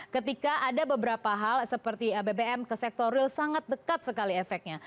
ketika ada beberapa hal seperti bbm ke sektor real sangat dekat sekali efeknya